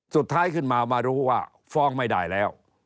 สุดท้ายขึ้นมามารู้ว่าฟ้องไม่ได้แล้ว